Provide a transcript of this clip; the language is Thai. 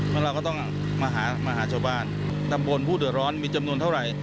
แล้วเราก็ต้องมาหามาหาชาวบ้านตำบลผู้เดือดร้อนมีจำนวนเท่าไหร่